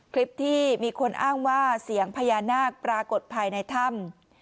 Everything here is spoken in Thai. คลิปที่มีคนอ้างว่าเสียงพญานาคปรากฏภายในถ้ำ